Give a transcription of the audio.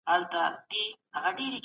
هغه وويل چي اخلاق مهم دي.